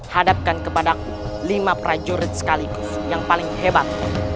hadapkan kepada lima prajurit sekaligus yang paling hebat